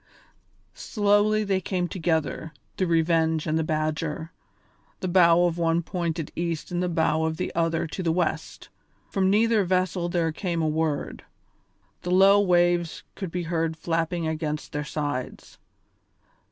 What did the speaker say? Slowly they came together, the Revenge and the Badger, the bow of one pointed east and the bow of the other to the west; from neither vessel there came a word; the low waves could be heard flapping against their sides.